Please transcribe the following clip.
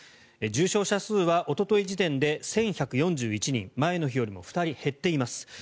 重症者数はおととい時点で１１４１人前の日よりも２人減っています。